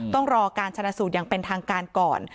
ต้องรอการชนะสูตรอย่างเป็นทางการก่อน